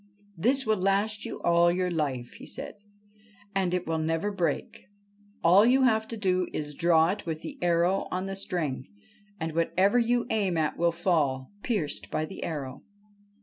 ' This will last you all your life,' he said ;' and it will never break. All you have to do is to draw it with the arrow on the string, and whatever you aim at will fall, pierced by the arrow."